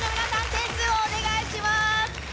点数をお願いします。